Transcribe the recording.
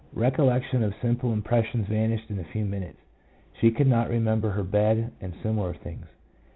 Recollec tions of simple impressions vanished in a few minutes. She could not remember her bed and similar things.